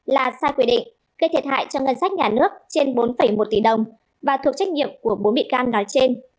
là sai quy định gây thiệt hại cho ngân sách nhà nước trên bốn một tỷ đồng và thuộc trách nhiệm của bốn bị can nói trên